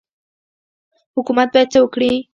حکومت باید څه وکړي؟